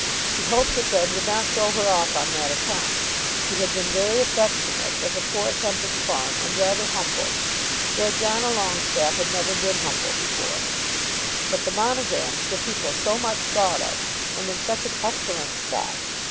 She hoped her friend would not throw her off on that account. She had been very affectionate, with a poor attempt at fun, and rather humble. Georgiana Longestaffe had never been humble before; but the Monograms were people so much thought of and in such an excellent set!